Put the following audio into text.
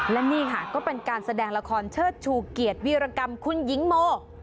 และนี่ค่ะก็เป็นการแสดงละครเชิดชูเกียรติวิรกรรมคุณหญิงโม